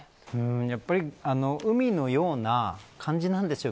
やっぱり海のような感じなんでしょう